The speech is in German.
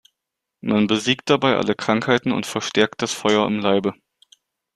Man besiegt dabei alle Krankheiten und verstärkt das Feuer im Leibe.